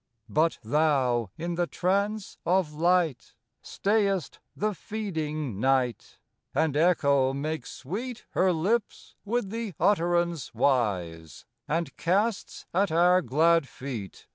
But thou in the trance of light Stayest the feeding night, And Echo makes sweet her lips with the utterance wise, And casts at our glad feet.